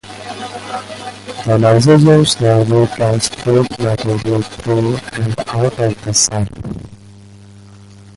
The lysosomes normally transport material through and out of the cell.